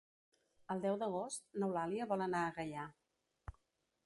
El deu d'agost n'Eulàlia vol anar a Gaià.